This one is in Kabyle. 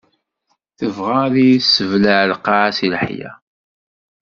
Tebɣa ad iyi-tessebleɛ lqaɛa si leḥya.